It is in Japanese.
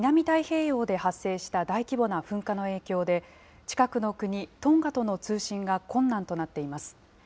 太平洋で発生した大規模な噴火の影響で、近くの国、トンガとの通信が困難となっています。